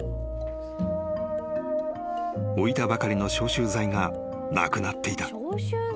［置いたばかりの消臭剤がなくなっていた］